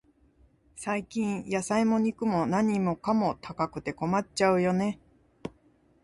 最近、野菜も肉も、何かも高くて困っちゃうよね。